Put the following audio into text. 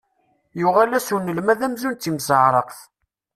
Yuɣal-as unelmad amzun d timseɛraqt.